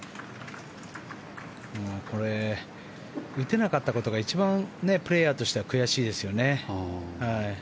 これ、打てなかったことが一番、プレーヤーとしては悔しいですよね。